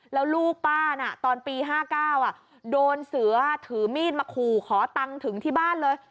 แล้วลูกป้าน่ะตอนปี๕๙โดนเสือถือมีดมาขู่ขอตังค์ถึงที่บ้านเลย